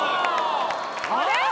あれ？